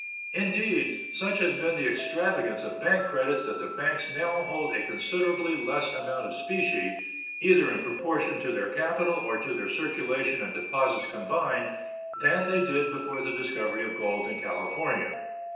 Indeed, such has been the extravagance of bank credits that the banks now hold a considerably less amount of specie, either in proportion to their capital or to their circulation and deposits combined, than they did before the discovery of gold in California.